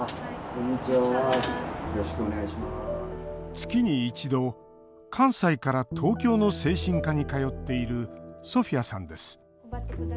月に一度、関西から東京の精神科に通っているソフィアさんです。